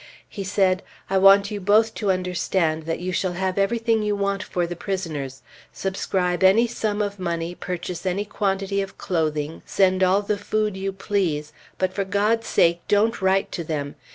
He said, "I want you both to understand that you shall have everything you want for the prisoners. Subscribe any sum of money, purchase any quantity of clothing, send all the food you please, but, for God's sake, don't write to them!